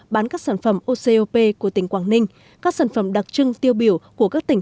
bán các sản phẩm ocop của tỉnh quảng ninh các sản phẩm đặc trưng tiêu biểu của các tỉnh